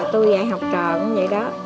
tôi dạy học trò cũng vậy đó